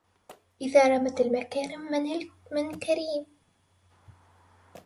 إذا رمت المكارم من كريم